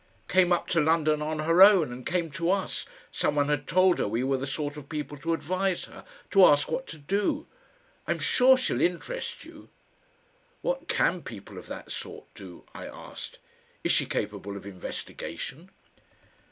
Came up to London on her own and came to us someone had told her we were the sort of people to advise her to ask what to do. I'm sure she'll interest you." "What CAN people of that sort do?" I asked. "Is she capable of investigation?"